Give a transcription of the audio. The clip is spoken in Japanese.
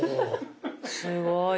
すごいね。